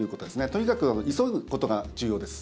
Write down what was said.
とにかく急ぐことが重要です。